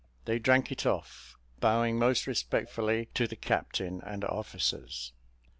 They drank it off, bowing most respectfully to the captain and officers.